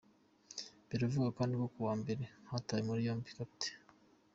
Biravugwa kandi ko kuwa mbere hatawe muri yombi Capt.